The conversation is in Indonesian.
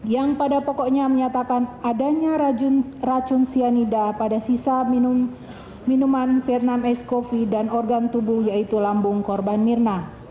yang pada pokoknya menyatakan adanya racun cyanida pada sisa minuman vietnam ice coffee dan organ tubuh yaitu lambung korban mirna